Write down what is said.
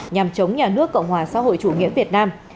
nhằm chống nhà nước cộng hòa xã hội chủ nghĩa việt nam